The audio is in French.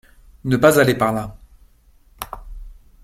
Ne pas aller par là !